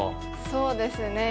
そうですね。